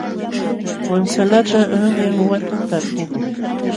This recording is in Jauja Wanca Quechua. Wansalatam qanyan wata talpuqlun.